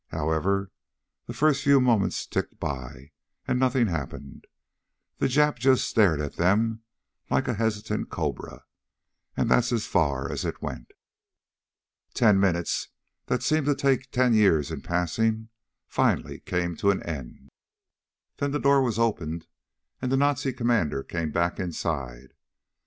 However, the first few moments ticked by, and nothing happened. The Jap just stared at them like a hesitant cobra, and that's as far as it went. Ten minutes, that seemed to take ten years in passing, finally came to an end. Then the door was opened and the Nazi commander came back inside.